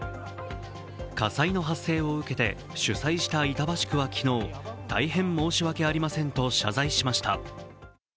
火災の発生を受けて主催した板橋区は昨日大変申し訳ありませんと謝罪しました。